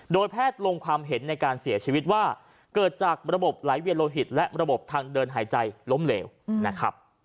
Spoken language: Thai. โดยแพทย์ลงความเห็นในการเสียชีวิตว่าเกิดจากระบบไหลเวียนโลหิตและระบบทางเดินหายใจล้มเหลวนะครับ